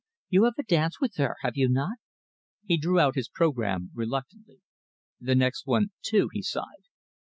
You have a dance with her, have you not?" He drew out his programme reluctantly. "The next one, too," he sighed.